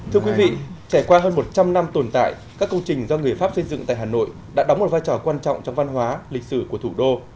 thưa quý vị trải qua hơn một trăm linh năm tồn tại các công trình do người pháp xây dựng tại hà nội đã đóng một vai trò quan trọng trong văn hóa lịch sử của thủ đô